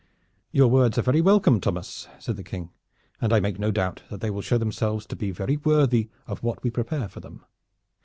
"Your words are very welcome, Thomas," said the King, "and I make no doubt that they will show themselves to be very worthy of what we prepare for them.